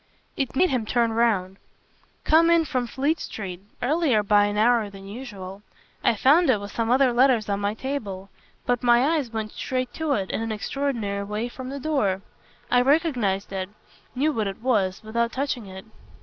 It made him turn round. "Coming in from Fleet Street earlier by an hour than usual I found it with some other letters on my table. But my eyes went straight to it, in an extraordinary way, from the door. I recognised it, knew what it was, without touching it."